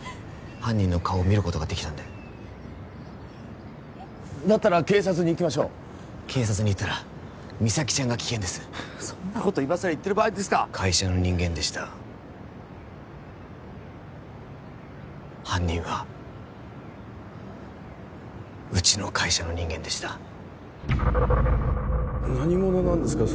犯人の顔を見ることができたんでだったら警察に行きましょう警察に言ったら実咲ちゃんが危険ですそんなこと今さら言ってる場合ですか会社の人間でした犯人はうちの会社の人間でした何者なんですか？